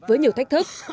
với nhiều thách thức